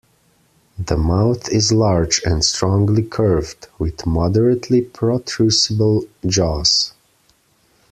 The mouth is large and strongly curved, with moderately protrusible jaws.